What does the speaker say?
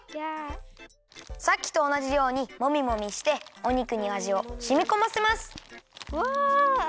さっきとおなじようにもみもみしてお肉にあじをしみこませます。わ！